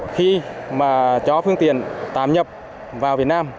khi mà cho phương tiện tạm nhập vào việt nam